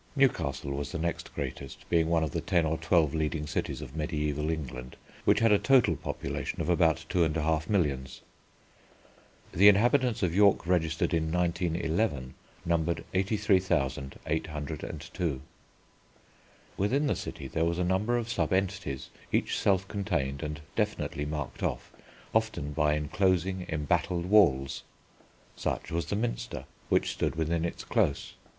Newcastle was the next greatest, being one of the ten or twelve leading cities of mediæval England which had a total population of about 2 1/2 millions. The inhabitants of York registered in 1911 numbered 83,802. Within the city there was a number of sub entities, each self contained and definitely marked off, often by enclosing, embattled walls. Such was the Minster, which stood within its close.